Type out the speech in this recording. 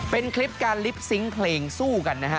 เป็นคลิปการลิปซิงค์เพลงสู้กันนะฮะ